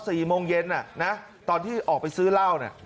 สี่โมงเย็นน่ะนะตอนที่ออกไปซื้อเหล้าเนี่ย